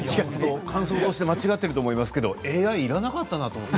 感想として間違っているかもしれないけどＡＩいらなかったねって。